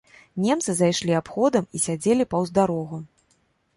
Немцы зайшлі абходам і сядзелі паўз дарогу.